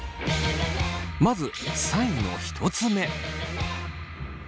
まず３位の１つ目。